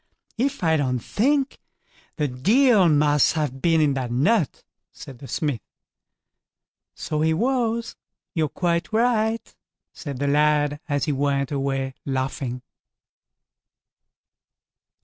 if I don't think the Deil must have been in that nut", said the smith. "So he was; you're quite right", said the lad, as he went away laughing.